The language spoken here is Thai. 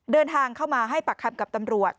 เดินทางเข้ามาให้ปากคำกับตำรวจ